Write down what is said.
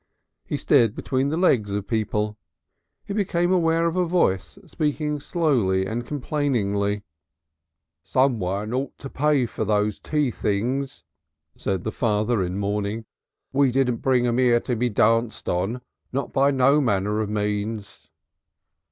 He stared between the legs of people. He became aware of a voice, speaking slowly and complainingly. "Someone ought to pay for those tea things," said the father in mourning. "We didn't bring them 'ere to be danced on, not by no manner of means."